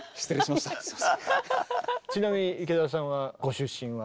ちなみに池田さんはご出身は？